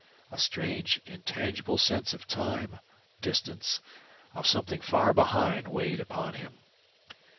A strange, intangible sense of time, distance, of something far behind weighed upon him.